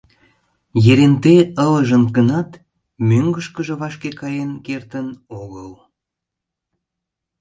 Еренте ылыжын гынат, мӧҥгышкыжӧ вашке каен кертын огыл.